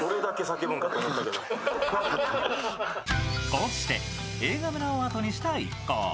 こうして映画村をあとにした一行。